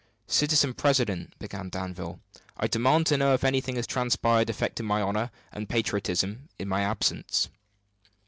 "Citizen president," began Danville, "I demand to know if anything has transpired affecting my honor and patriotism in my absence?"